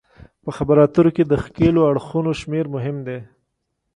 په خبرو اترو کې د ښکیلو اړخونو شمیر مهم دی